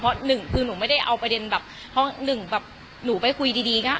เพราะหนึ่งคือหนูไม่ได้เอาประเด็นแบบเพราะหนึ่งแบบหนูไปคุยดีดีก็